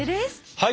はい！